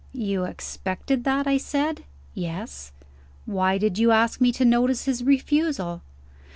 "You expected that?" I said. "Yes." "Why did you ask me to notice his refusal?"